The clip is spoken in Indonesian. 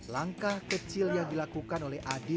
langkah kecil yang dilakukan oleh adi